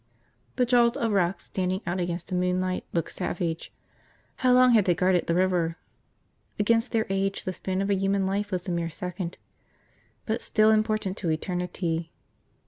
..." The jaws of rock, standing out against the moonlight, looked savage. How long had they guarded the river? Against their age the span of a human life was a mere second – but still important to eternity.